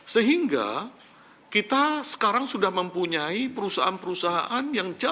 sehingga kita sekarang sudah mempunyai perusahaan perusahaan yang jauh